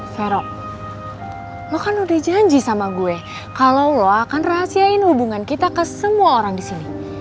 vero lo kan udah janji sama gue kalau lo akan rahasiain hubungan kita ke semua orang disini